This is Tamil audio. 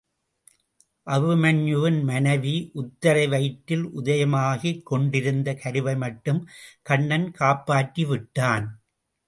அபிமன்யுவின் மனைவி உத்தரை வயிற்றில் உதயமாகிக் கொண்டிருந்த கருவை மட்டும் கண்ணன் காப்பாற்றி விட்டான்.